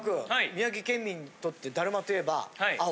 宮城県民にとってだるまと言えば青？